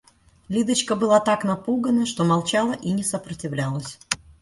Лидочка была так напугана, что молчала и не сопротивлялась.